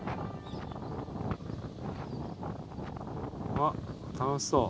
あっ楽しそう。